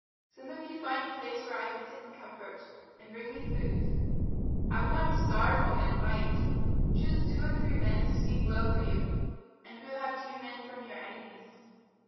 "Some of you find a place where I can sit in comfort; and bring me food. I will not starve while men fight. Choose two or three men to speak well for you, and we will have two men from your enemies."